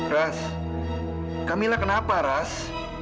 ras kamila kenapa ras